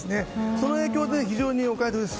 その影響で非常にお買い得です。